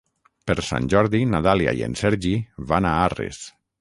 Per Sant Jordi na Dàlia i en Sergi van a Arres.